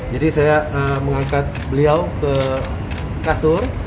jadi saya mengangkat beliau ke kasur